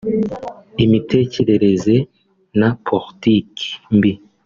imitekerereza na politiki mbi